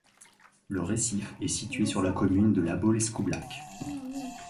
Le récif est situé sur la commune de La Baule-Escoublac.